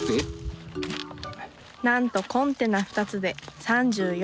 なんとコンテナ２つで３４ｋｇ。